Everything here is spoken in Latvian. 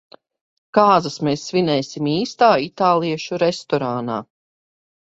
Kāzas mēs svinēsim īstā itāliešu restorānā.